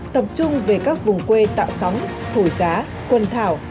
tập trung về các vùng quê tạo sóng thổi giá quần thảo